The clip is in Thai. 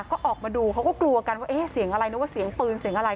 ก็ออกมาดูเขาก็กลัวกันว่าเอ๊ะเสียงอะไรนึกว่าเสียงปืนเสียงอะไร